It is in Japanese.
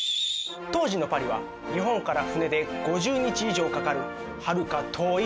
当時のパリは日本から船で５０日以上かかるはるか遠い未知の世界。